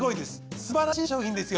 すばらしい商品ですよ。